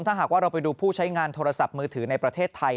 ถ้าหากว่าเราไปดูผู้ใช้งานโทรศัพท์มือถือในประเทศไทย